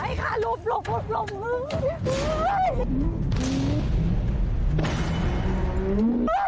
ให้ค่ะหลบหลบหลบ